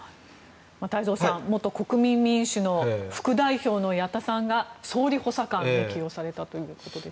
太蔵さん元国民民主の副代表の矢田さんが総理補佐官に起用されたということです。